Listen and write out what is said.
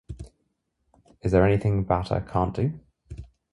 Is there anything Bata can't do?